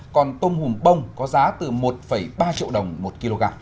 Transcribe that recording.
còn tôm hùm bông có giá từ một ba triệu đồng một kg